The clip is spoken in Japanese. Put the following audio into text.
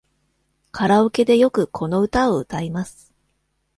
カラオケでよくこの歌を歌います。